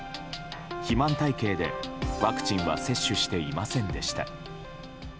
肥満体形でワクチンは接種していませんでした。